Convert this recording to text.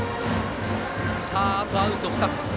あとアウト２つ。